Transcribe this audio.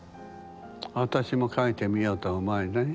私も描いてみようとは思わない？